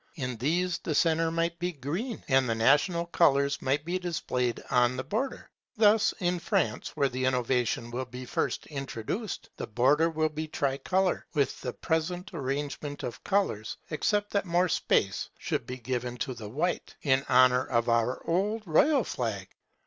In these the centre might be green, and the national colours might be displayed on the border. Thus, in France, where the innovation will be first introduced, the border would be tricolour, with the present arrangement of colours, except that more space should be given to the white, in honour of our old royal flag.